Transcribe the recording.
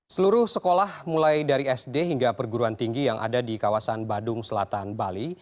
seluruh sekolah mulai dari sd hingga perguruan tinggi yang ada di kawasan badung selatan bali